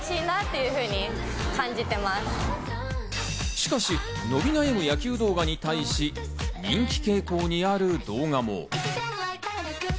しかし伸び悩む野球動画に対し人気傾向にある動画も。